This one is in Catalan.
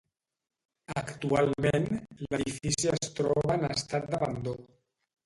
Actualment l'edifici es troba en estat d'abandó.